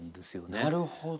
なるほど。